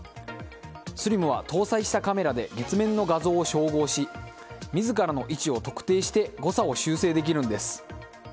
「ＳＬＩＭ」は搭載したカメラで月面の画像を照合し自らの位置を特定して誤差を修正できるんです。